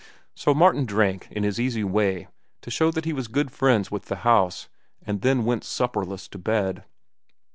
So Martin drank, in his easy way, to show that he was good friends with the house, and then went supperless to bed.